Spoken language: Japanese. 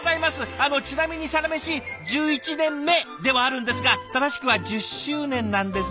あのちなみに「サラメシ」１１年目ではあるんですが正しくは１０周年なんです。